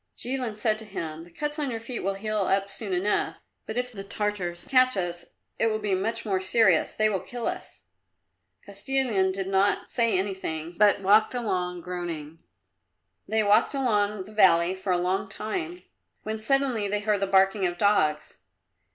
Jilin said to him, "The cuts on your feet will heal up soon enough, but if the Tartars catch us it will be much more serious; they will kill us." Kostilin did not say anything, but walked along, groaning. They walked along the valley for a long time, when suddenly they heard the barking of dogs.